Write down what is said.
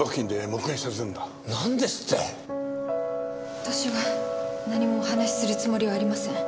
私は何もお話しするつもりはありません。